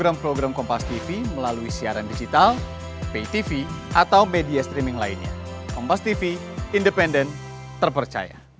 dalam keadaan md ya dunia